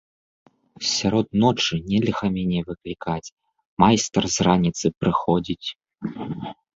Сярод ночы нельга мяне выклікаць, майстар з раніцы прыходзіць.